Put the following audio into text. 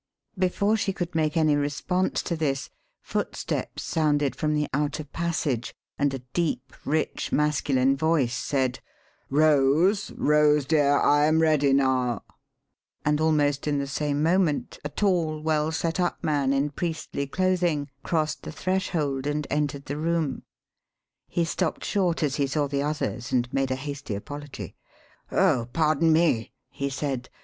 Before she could make any response to this, footsteps sounded from the outer passage, and a deep, rich, masculine voice said, "Rose, Rose dear, I am ready now," and almost in the same moment a tall, well set up man in priestly clothing crossed the threshold and entered the room. He stopped short as he saw the others and made a hasty apology. "Oh, pardon me," he said.